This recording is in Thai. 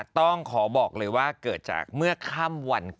ต้องขอบอกเลยว่าเกิดจากเมื่อค่ำวันก่อน